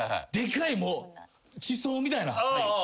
でかいもう地層みたいな。